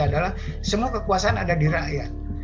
adalah semua kekuasaan ada di rakyat